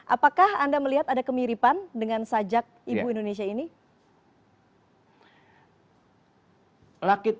apakah anda melihat ada kemiripan dengan sajak ibu indonesia ini